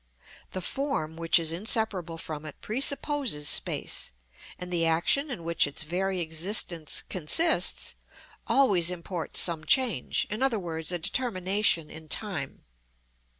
The form which is inseparable from it presupposes space, and the action in which its very existence consists, always imports some change, in other words a determination in time.